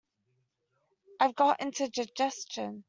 I've got indigestion.